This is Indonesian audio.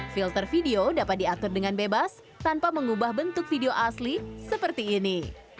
filter video dapat diatur dengan bebas tanpa mengubah bentuk video asli seperti ini